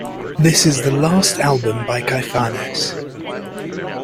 This is the last album by Caifanes.